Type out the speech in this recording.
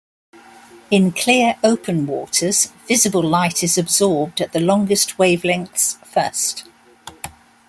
In clear open waters, visible light is absorbed at the longest wavelengths first.